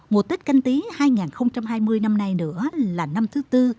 mùa tết canh tí hai nghìn hai mươi năm nay nữa là năm thứ tư